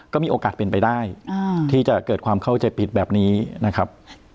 ก็มีโอกาสเป็นไปได้ที่จะเกิดความเข้าใจผิดแบบนี้นะครับ